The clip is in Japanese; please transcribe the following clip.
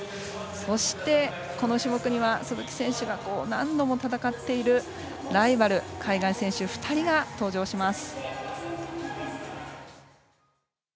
そしてこの種目には鈴木選手が何度も戦っているライバル海外選手２人が登場します。